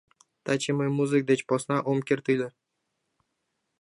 — Таче мый музык деч посна ом керт ыле.